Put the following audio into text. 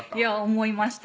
思いました